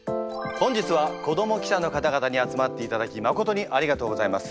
本日は子ども記者の方々に集まっていただきまことにありがとうございます。